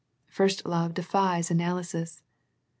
First love defies analysis.